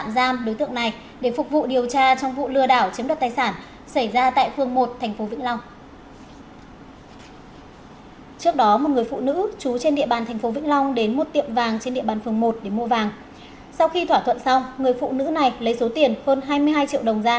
sau khi thỏa thuận xong người phụ nữ này lấy số tiền hơn hai mươi hai triệu đồng ra